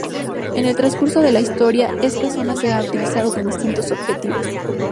En el transcurso de la historia esta zona se ha utilizado con distintos objetivos.